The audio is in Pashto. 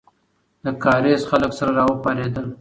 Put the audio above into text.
د کارېز خلک سره راپارېدل.